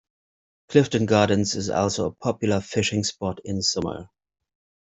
Clifton Gardens is also a popular fishing spot in summer.